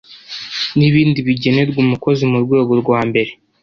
n ibindi bigenerwa umukozi mu rwego rwo rwambere